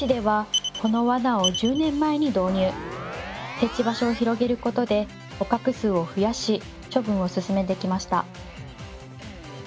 設置場所を広げることで捕獲数を増やし処分を進めてきました